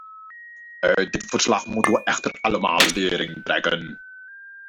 Uit dit verslag moeten wij echter allemaal lering trekken.